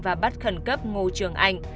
và bắt khẩn cấp ngô trường anh